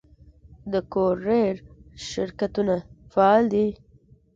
د کوریر شرکتونه فعال دي؟